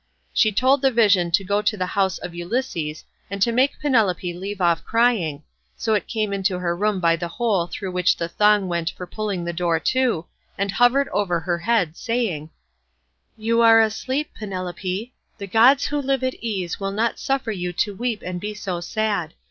She told the vision to go to the house of Ulysses, and to make Penelope leave off crying, so it came into her room by the hole through which the thong went for pulling the door to, and hovered over her head saying, "You are asleep, Penelope: the gods who live at ease will not suffer you to weep and be so sad.